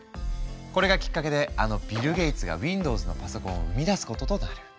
これがきっかけであのビル・ゲイツがウィンドウズのパソコンを生み出すこととなる。